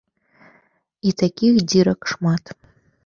І такіх дзірак шмат.